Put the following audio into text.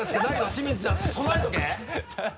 清水ちゃん備えておけ！